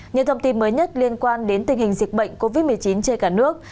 những thông tin mới nhất liên quan đến tình hình dịch bệnh covid một mươi chín trên cả nước